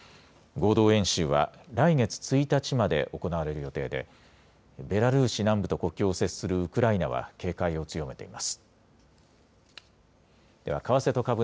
合同演習は来月１日まで行われる予定で、ベラルーシ南部と国境を接するウクライナは警戒を強めています。